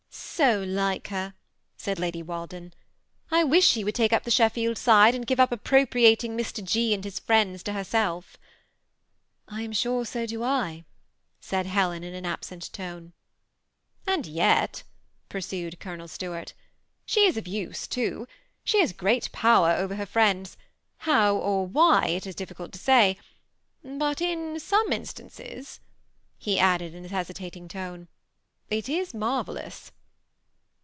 So like her," said Lady Waldea* ''I wish she would take up the Sheffield side, and give up appro priating Mx, G* and his &iends to h€»rsel£" ^1 9m sure, so do J," M^d Helen, in an abeeet tone, ^< And yet," pursued Colonel Stuart, ^' die is of use too. She has great power over her friends; how or why it is difficult to say ; but in some instances," be added, in a hesitating voice, ^' it is marvellous."